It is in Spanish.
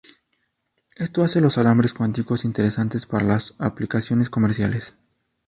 Esto hace a los alambres cuánticos interesantes para las aplicaciones comerciales.